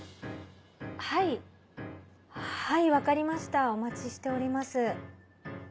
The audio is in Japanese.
はいはい分かりましたお待ちしております。